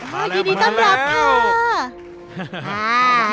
ว้าวยินดีต้อนรับค่า